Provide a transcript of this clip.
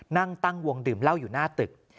นั่งตั้งวงดื่มเหล้าอยู่หน้าตึก